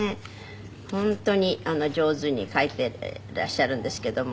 本当に上手に描いていらっしゃるんですけども。